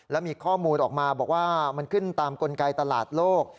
แล้วมีข้อมูลออกมาบอกว่ามันขึ้นตามกลไกตลาดโลก